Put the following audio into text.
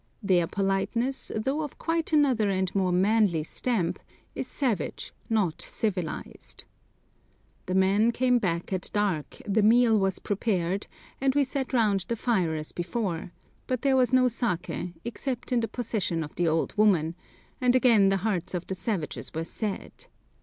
Their politeness, though of quite another and more manly stamp, is savage, not civilised. The men came back at dark, the meal was prepared, and we sat round the fire as before; but there was no saké, except in the possession of the old woman; and again the hearts of the savages were sad.